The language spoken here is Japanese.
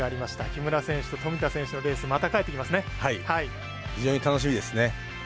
木村選手と富田選手のレース非常に楽しみですね。